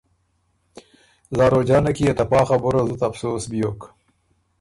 زاروجانه کی يې ته پا خبُره زُت افسوس بیوک